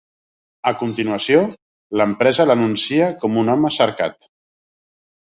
A continuació, l'empresa l'anuncia com un home cercat.